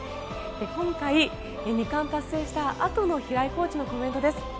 今回、２冠達成したあとの平井コーチのコメントです。